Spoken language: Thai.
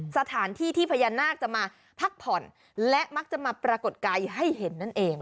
สถานที่ที่พญานาคจะมาพักผ่อนและมักจะมาปรากฏกายให้เห็นนั่นเอง